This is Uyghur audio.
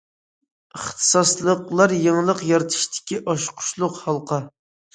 ئىختىساسلىقلار يېڭىلىق يارىتىشتىكى ئاچقۇچلۇق ھالقا.